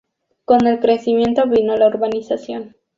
Con el crecimiento vino la urbanización.